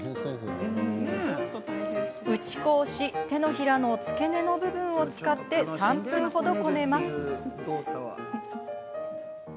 打ち粉をし手のひらの付け根の部分を使って３分ほどこねます。